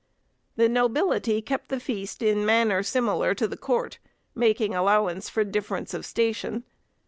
The nobility kept the feast in manner similar to the court, making allowance for difference of station.